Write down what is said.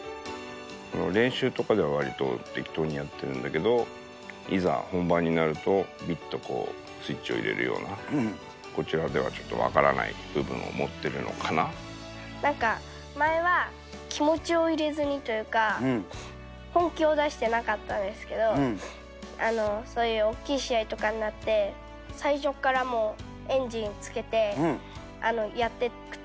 練習とかではわりと適当にやってるんだけど、いざ本番になると、ぴっとスイッチを入れれるような、こちらではちょっと分からない部なんか、前は気持ちを入れずにというか、本気を出してなかったんですけど、そういう大きい試合とかになって、最初からもう、エンジンつけて、やっていくと。